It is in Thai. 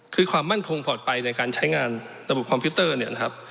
คือความมั่นคงปลอดภัยในการใช้งานระบบคอมพิวเตอร์เนี่ยนะครับ